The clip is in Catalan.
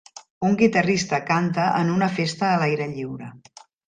Un guitarrista canta en una festa a l'aire lliure.